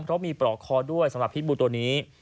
เพราะมีปลอกคอด้วยสำหรับพิษบูตัวนี้